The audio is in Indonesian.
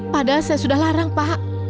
padahal saya sudah larang pak